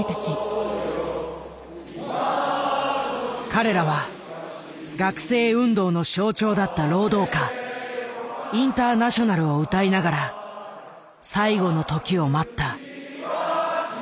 彼らは学生運動の象徴だった労働歌「インターナショナル」を歌いながら最後の時を待った。